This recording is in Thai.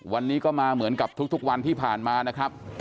วันนี้ก็มาเหมือนกับทุกวันที่ผ่านมานะครับ